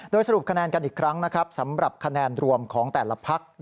โดยสรุปคะแนนกันอีกครั้งนะครับสำหรับคะแนนรวมของแต่ละพัก